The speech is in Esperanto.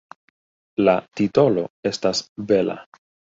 La titolo estas bela.